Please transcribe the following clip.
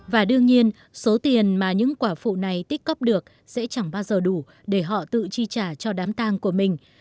và đương nhiên số tiền mà những quả phụ này tích cóp được sẽ chẳng bao giờ đủ để họ tự chi trả cho đám tang của mình